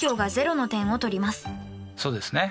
そうですね。